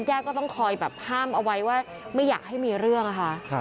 ญาติก็ต้องคอยแบบห้ามเอาไว้ว่าไม่อยากให้มีเรื่องค่ะ